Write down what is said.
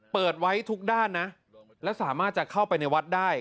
เปิดไว้ทุกด้านนะและสามารถจะเข้าไปในวัดได้